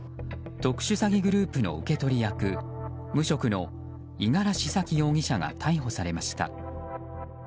特殊詐欺グループの受け取り役無職の五十嵐沙希容疑者が逮捕されました。